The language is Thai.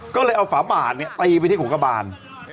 ก็เลยเอาฝาบาลนี่ตีไปที่หลวงกล่าบาล